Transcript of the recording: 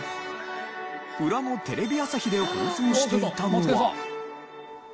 裏のテレビ朝日で放送していたのは。